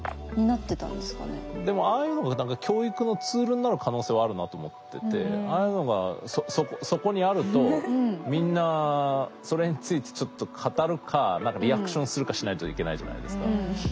でもああいうのが教育のツールになる可能性はあるなと思っててああいうのがそこにあるとみんなそれについてちょっと語るか何かリアクションするかしないといけないじゃないですか。